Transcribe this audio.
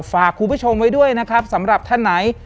ฝากคุณผู้ชมไว้ด้วยนะครับสำหรับท่านไหน